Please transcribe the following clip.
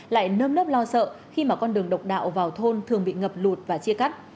lại nơm nớp lo sợ khi mà con đường độc đạo vào thôn thường bị ngập lụt và chia cắt